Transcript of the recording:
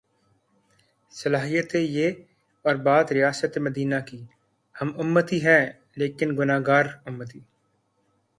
صلاحیتیں یہ اور بات ریاست مدینہ کی ہم امتی ہیں لیکن گناہگار امتی۔